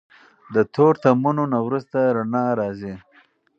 د تورتمونو نه وروسته رڼا راځي.